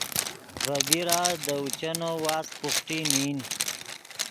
ڤے بیرا دے اوچینو واست بوخٹی نین